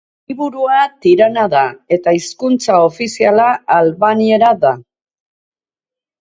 Hiriburua Tirana da eta hizkuntza ofiziala albaniera da.